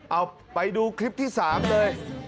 เอาไปดูคลิปที่๓เลย